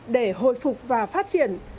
để hồi phục và phát triển